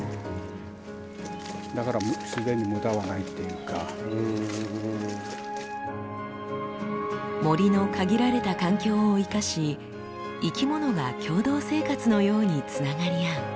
だから森の限られた環境を生かし生きものが共同生活のようにつながり合う。